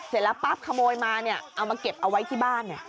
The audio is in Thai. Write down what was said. เสร็จแล้วปั๊บขโมยมาเอามาเก็บเอาไว้ที่บ้าน